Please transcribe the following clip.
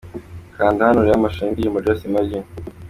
Kanda hano urebe amashusho y'iyi ndirimbo 'Just imagine' .